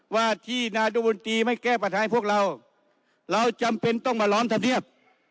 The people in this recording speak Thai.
ว่าที่นายกลุ่มบุญตีไม่แก้ปัญหาให้พวกเราเราจำเป็นต้องมาล้อมทำเรียบ